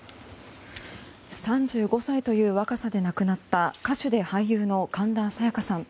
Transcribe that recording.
３５歳という若さで亡くなった歌手で俳優の神田沙也加さん。